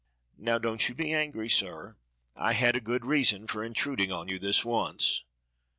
"Now don't you be angry, sir. I had a good reason for intruding on you this once.